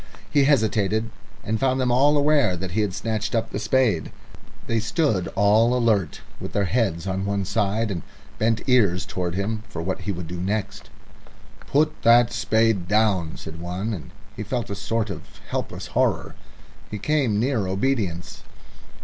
He hesitated, and found them all aware that he had snatched up the spade. They stood alert, with their heads on one side, and bent ears towards him for what he would do next. "Put that spade down," said one, and he felt a sort of helpless horror. He came near obedience.